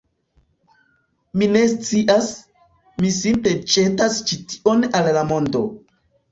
Mi ne scias, mi simple ĵetas ĉi tion al la mondo